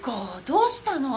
どうしたの？